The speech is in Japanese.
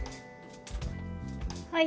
はい。